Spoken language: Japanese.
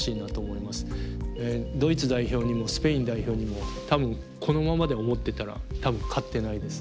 ドイツ代表にもスペイン代表にもこのままで思ってたら多分勝ってないです。